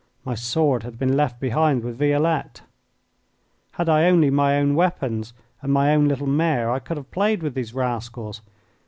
My sword had been left behind with Violette. Had I only my own weapons and my own little mare I could have played with these rascals.